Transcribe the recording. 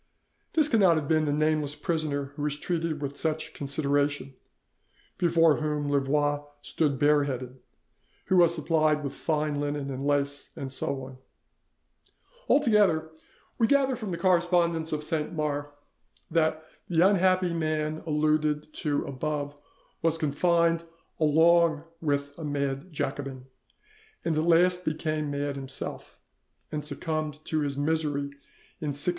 This cannot have been the nameless prisoner who was treated with such consideration, before whom Louvois stood bare headed, who was supplied with fine linen and lace, and so on. Altogether, we gather from the correspondence of Saint Mars that the unhappy man alluded to above was confined along with a mad Jacobin, and at last became mad himself, and succumbed to his misery in 1686.